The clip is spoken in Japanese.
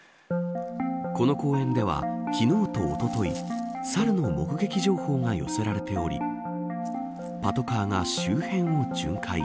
この公園では昨日とおととい猿の目撃情報が寄せられておりパトカーが周辺を巡回。